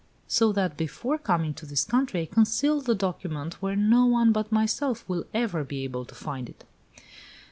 So that before coming to this country I concealed the document where no one but myself will ever be able to find it."